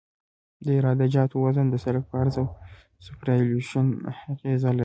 د عراده جاتو وزن د سرک په عرض او سوپرایلیویشن اغیزه لري